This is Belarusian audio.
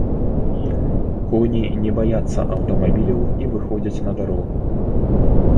Коні не баяцца аўтамабіляў і выходзяць на дарогу.